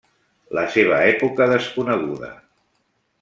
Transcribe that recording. La seva època desconeguda.